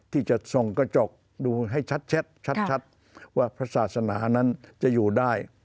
ที่จะส่งกระจกดูให้ชัดชัดว่าพระศาสนานั้นจะอยู่ได้